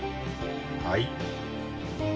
はい。